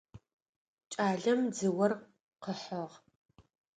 Кӏалэм дзыор къыхьыгъ.